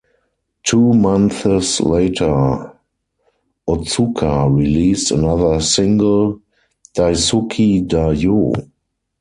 Two months later, Otsuka released another single, "Daisuki da Yo".